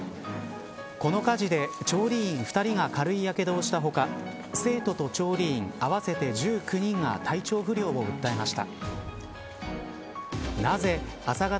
この火事で、調理員２人が軽いやけどをした他生徒と調理員、合わせて１９人が体調不良を訴えました。